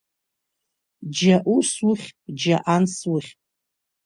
Џьа ус ухьп, џьа анс ухьп.